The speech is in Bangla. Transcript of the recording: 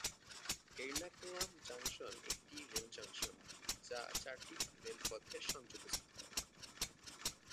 এর্নাকুলাম জংশন একটি রেল জংশন, যা চারটি রেলপথের সংযোগস্থল।